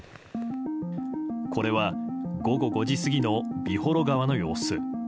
これは午後５時過ぎの美幌川の様子。